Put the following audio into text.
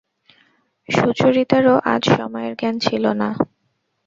সুচরিতারও আজ সময়ের জ্ঞান ছিল না।